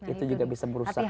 itu juga bisa merusak